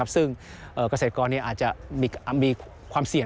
ซึ่งเกษตรกรอาจจะมีความเสี่ยง